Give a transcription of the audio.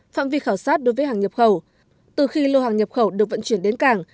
phạm vi khảo sát đối với hàng nhập khẩu từ khi lô hàng nhập khẩu được vận chuyển đến cảng